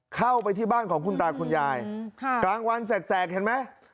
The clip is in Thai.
เข้าไปที่บ้านของคุณตาคุณยายกลางวันแสกเห็นไหม